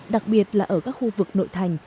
đặc biệt là ở các khu vực nội thành